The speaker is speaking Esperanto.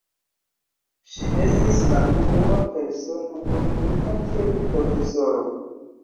Ŝi estis la unua persono nomumita kiel profesoro.